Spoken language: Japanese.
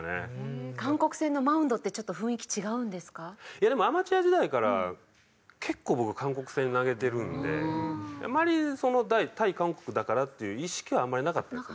いやでもアマチュア時代から結構僕韓国戦投げてるのであまりその対韓国だからっていう意識はあんまりなかったですね。